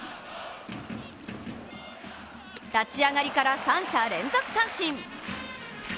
立ち上がりから三者連続三振。